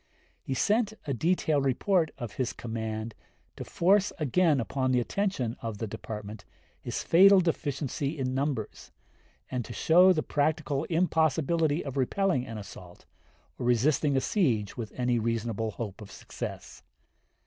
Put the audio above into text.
He sent a detailed report of his command to force again upon the attention of the Department his fatal deficiency in numbers, and to show the practical impossibility of repelling an assault, or resisting a siege with any reasonable hope of success.